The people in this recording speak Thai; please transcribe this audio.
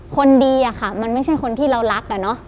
คนดีอะค่ะมันไม่ใช่คนที่เรารักอะเนาะ